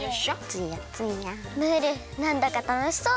ツヤツヤムールなんだかたのしそう！